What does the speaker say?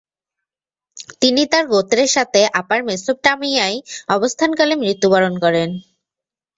তিনি তার গোত্রের সাথে আপার মেসোপটামিয়ায় অবস্থান কালে মৃত্যুবরণ করেন।